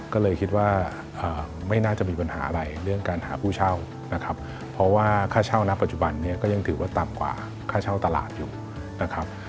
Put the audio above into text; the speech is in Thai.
ก็เลยคิดว่าไม่น่าจะมีปัญหาอะไรเรื่องการหาผู้เช่านะครับเพราะว่าค่าเช่านะปัจจุบันนี้ก็ยังถือว่าต่ำกว่าค่าเช่าตลาดอยู่นะครับ